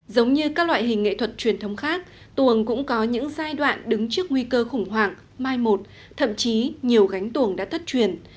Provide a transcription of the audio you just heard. giống như các loại hình nghệ thuật truyền thống khác tuồng cũng có những giai đoạn đứng trước nguy cơ khủng hoảng mai một thậm chí nhiều gánh tuồng đã thất truyền